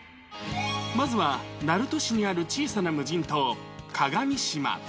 まずは鳴門市にある小さな無人島、鏡島。